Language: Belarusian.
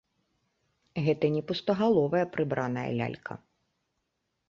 Гэта не пустагаловая прыбраная лялька.